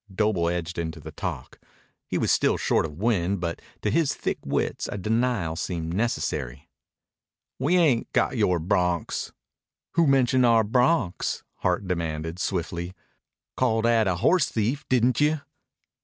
Doble edged into the talk. He was still short of wind, but to his thick wits a denial seemed necessary. "We ain't got yore broncs." "Who mentioned our broncs?" Hart demanded, swiftly. "Called Ad a horsethief, didn't you?"